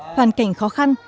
hoàn cảnh khó khăn